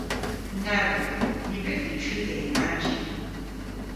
Na wrug. Ny wrug vy triga yn rannji.